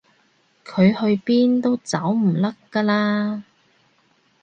佢去邊都走唔甩㗎啦